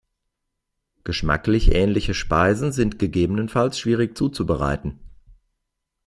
Geschmacklich ähnliche Speisen sind gegebenenfalls schwierig zuzubereiten.